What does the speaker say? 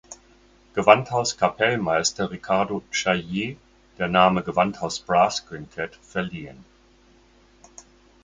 Gewandhauskapellmeister Riccardo Chailly der Name Gewandhaus Brass Quintett verliehen.